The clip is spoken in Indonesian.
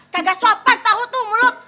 kagak sopan tau tuh mulut